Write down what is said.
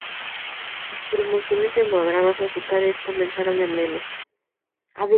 Sus promociones en programas musicales comenzaron en "M!